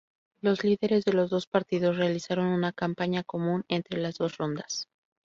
Los líderes de los dos partidos realizaron una campaña común entre las dos rondas.